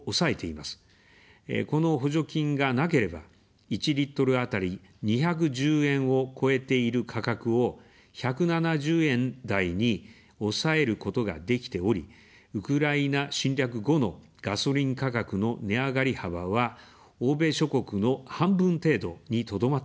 この補助金がなければ、１リットルあたり２１０円を超えている価格を、１７０円台に抑えることができており、ウクライナ侵略後のガソリン価格の値上がり幅は欧米諸国の半分程度にとどまっています。